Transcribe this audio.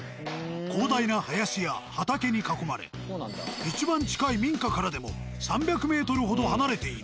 広大な林や畑に囲まれいちばん近い民家からでも３００ｍほど離れている。